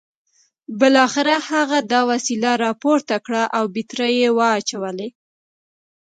بالاخره هغه دا وسیله راپورته کړه او بیټرۍ یې واچولې